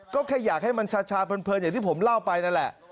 ก็แค่อยากให้มันชาเพลินอย่างที่ผมเล่าไปนั่นแหละ